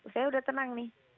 saya udah tenang nih